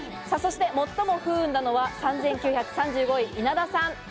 最も不運なのは３９３５位、稲田さん。